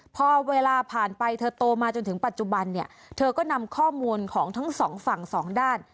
พอเวลาผ่านไปเธอโตมาจนถึงปัจจุบันเนี่ยเธอก็นำข้อมูลของทั้งสองฝั่งสองด้าน